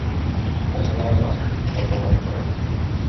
মােহনায় বসবাস করে।